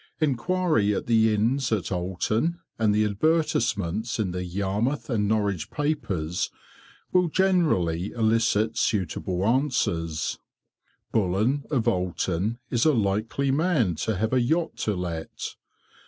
Enquiry at the inns at Oulton, and advertisements in the Yarmouth and Norwich papers will generally elicit suitable answers. Bullen, of Oulton, is a likely man to have a yacht to let.